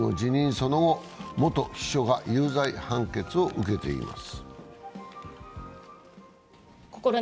その後、元秘書が有罪判決を受けています。